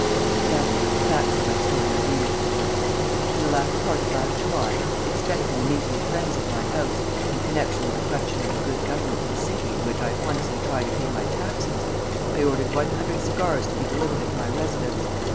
Now, then, the facts of my story are these: In the latter part of last July, expecting a meeting of friends at my house in connection with a question of the good government of the city in which I honestly try to pay my taxes, I ordered one hundred cigars to be delivered at my residence.